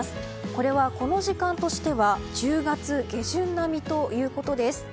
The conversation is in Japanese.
これはこの時間としては１０月下旬並みということです。